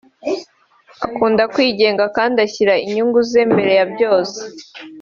akunda kwigenga kandi ashyira inyungu ze mbere ya byose